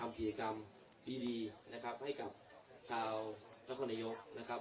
กิจกรรมดีนะครับให้กับชาวนครนายกนะครับ